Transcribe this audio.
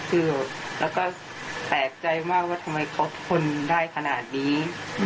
คือแล้วก็แปลกใจมากว่าทำไมครบคนได้ขนาดนี้